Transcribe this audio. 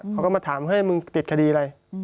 เขาก็มาถามเฮ้ยมึงติดคดีอะไร